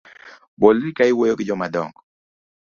Bolri ka iwuoyo gi jomadong’o